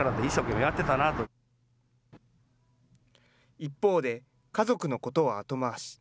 一方で、家族のことは後回し。